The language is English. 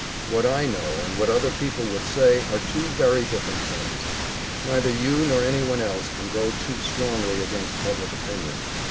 "What I know, and what other people would say, are two very different things. Neither you nor anyone else can go too strongly against public opinion.